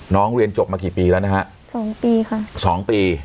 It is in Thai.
น้องเรียนจบมากี่ปีแล้วนะฮะ๒ปีค่ะ๒ปี